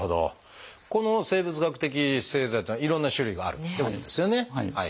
この生物学的製剤っていうのはいろんな種類があるってことですよね。